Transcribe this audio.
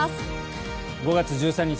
５月１３日